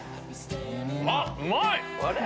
あっうまい！